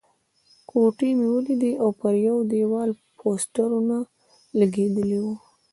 کوټې مې ولیدلې او پر یوه دېوال پوسټرونه لګېدلي وو.